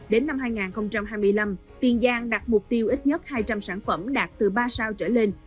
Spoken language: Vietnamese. đến năm hai nghìn hai mươi năm tiền giang đặt mục tiêu ít nhất hai trăm linh sản phẩm đạt từ ba sao trở lên